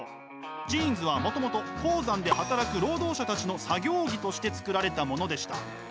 ジーンズはもともと鉱山で働く労働者たちの作業着として作られたものでした。